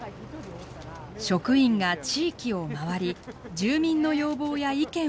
職員が地域を回り住民の要望や意見を聞き取っています。